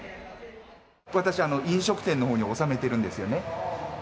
私あの飲食店のほうに納めているんですよね。